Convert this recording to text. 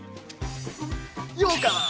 ようかん！